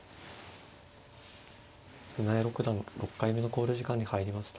船江六段６回目の考慮時間に入りました。